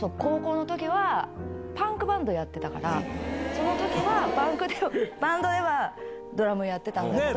その時はバンドではドラムやってたんだけど。